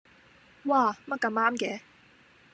嘩，乜咁啱嘅